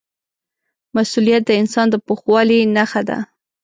مسؤلیت د انسان د پوخوالي نښه ده.